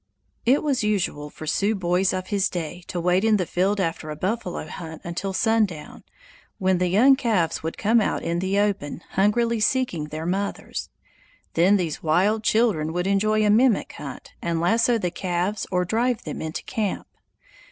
It was usual for Sioux boys of his day to wait in the field after a buffalo hunt until sundown, when the young calves would come out in the open, hungrily seeking their mothers. Then these wild children would enjoy a mimic hunt, and lasso the calves or drive them into camp.